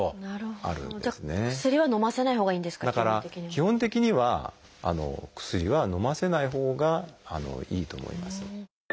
基本的には薬はのませないほうがいいと思います。